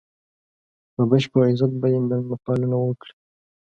په بشپړ عزت به یې مېلمه پالنه وکړي.